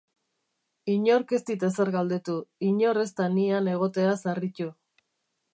Inork ez dit ezer galdetu, inor ez da ni han egoteaz harritu.